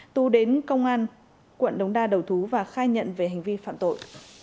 tú đến công an quận đống đa đầu thú và khai nhận về hành vi phạm tội